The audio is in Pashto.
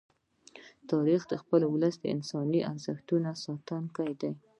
تاریخ د خپل ولس د انساني ارزښتونو ساتونکی دی.